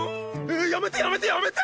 やめてやめてやめて！